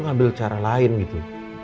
ngambil cara lain gitu